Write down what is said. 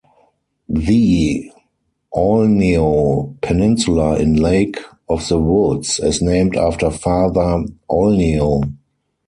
The Aulneau Peninsula in Lake of the Woods is named after Father Aulneau.